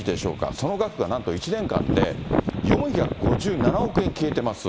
その額がなんと１年間で、４５７億円消えてます。